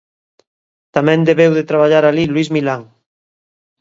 Tamén debeu de traballar alí Luis Milán.